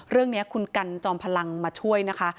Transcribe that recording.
เรื่องนี้คุณกันจอมพลังมาช่วยนะคะ